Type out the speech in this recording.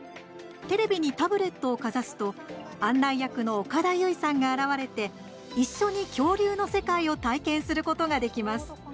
テレビにタブレットをかざすと案内役の岡田結実さんが現れて一緒に恐竜の世界を体験することができます。